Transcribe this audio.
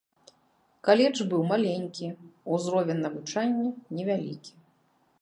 Каледж быў маленькі, узровень навучання невялікі.